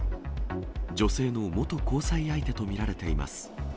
女性の元交際相手と見られています。